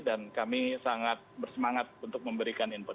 dan kami sangat bersemangat untuk memberikan input